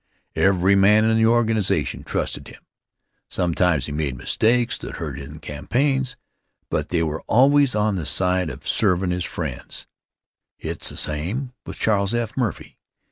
Every man in the organization trusted him. Sometimes he made mistakes that hurt in campaigns, but they were always on the side of servin' his friends. It's the same with Charles F. Murphy.